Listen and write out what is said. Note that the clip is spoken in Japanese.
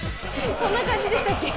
そんな感じでしたっけ？